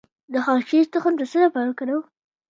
د خاکشیر تخم د څه لپاره وکاروم؟